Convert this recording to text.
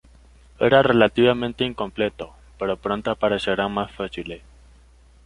Era relativamente incompleto, pero pronto aparecerán más fósiles.